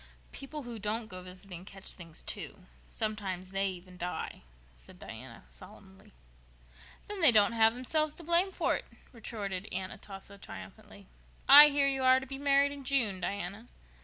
"People who don't go visiting catch things, too. Sometimes they even die," said Diana solemnly. "Then they don't have themselves to blame for it," retorted Aunt Atossa triumphantly. "I hear you are to be married in June, Diana."